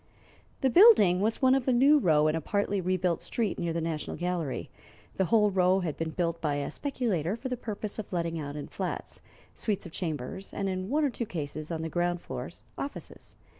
The building was one of a new row in a partly rebuilt street near the National Gallery. The whole row had been built by a speculator for the purpose of letting out in flats, suites of chambers, and in one or two cases, on the ground floors, offices.